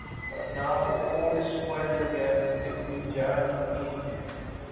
"But now all is well again between Jan and me."